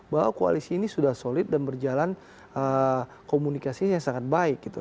bahwa koalisi ini sudah solid dan berjalan komunikasi yang sangat baik